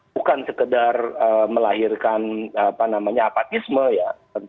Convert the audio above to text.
bukan sekedar melahirkan apa namanya apatisme ya